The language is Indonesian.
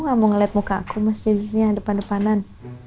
kamu gak mau ngeliat muka aku mas di dunia depan depanan